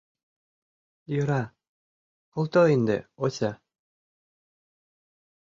Йӧра, колто ынде, Ося.